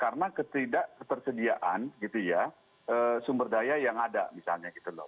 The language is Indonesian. karena ketidak ketersediaan gitu ya sumber daya yang ada misalnya gitu loh